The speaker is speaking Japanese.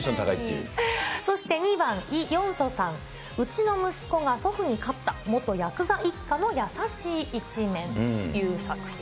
そして２番、イ・ヨンソさん、うちの息子が祖父に勝った、元やくざ一家の優しい一面という作品。